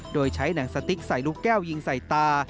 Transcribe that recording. โดยใช้หนังสติ๊กใส่ลูกแก้วยิงใส่ตา